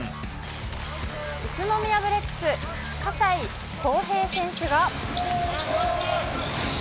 宇都宮ブレックス、笠井康平選手が。